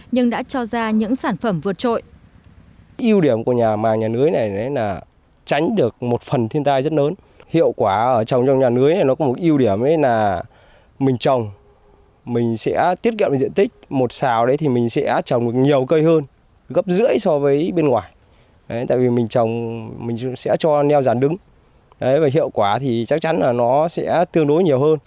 nhưng đã cho ra những sản phẩm vượt trội